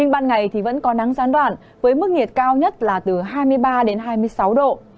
ban ngày thì vẫn có nắng gián đoạn với mức nhiệt cao nhất là từ hai mươi ba đến hai mươi sáu độ